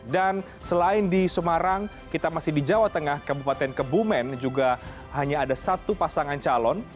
dan selain di semarang kita masih di jawa tengah kabupaten kebumen juga hanya ada satu pasangan calon